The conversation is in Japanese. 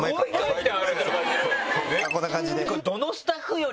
こんな感じで。